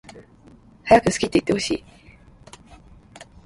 はやく好きっていってほしい